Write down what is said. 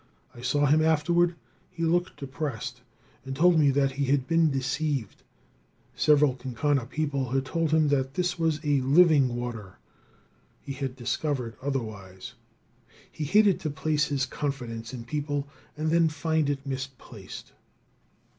I saw him afterward. He looked depressed, and told me that he had been deceived. Several Kankanna people had told him that this was living water, He had discovered otherwise. He hated to place his confidence in people and then find it misplaced.